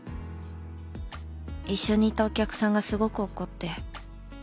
一緒にいたお客さんがすごく怒って。